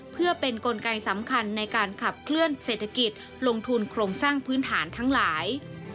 เพื่อเป็นกลไกสำคัญในการขับเคลื่อนเศรษฐกิจลงทุนโครงสร้างพื้นฐานทั้งหลาย